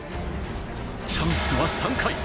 チャンスは３回。